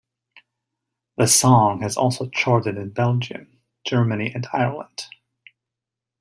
The song has also charted in Belgium, Germany and Ireland.